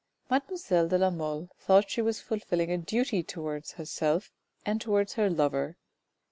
Mademoiselle de la Mole thought she was fulfilling a duty towards herself and towards her lover.